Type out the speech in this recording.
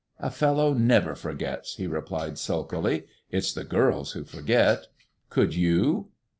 "A fellow never forgets," he replied sulkily. "It's the girls who forget. Could you?"